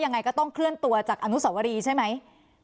ยังไงก็ต้องเคลื่อนตัวจากอนุสวรีใช่ไหม